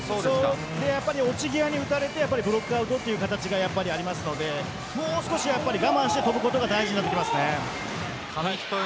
落ち際に打たれてブロックアウトという形がありますのでもう少し我慢して跳ぶことが大事になります。